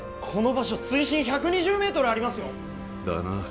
この場所水深１２０メートルありますよだな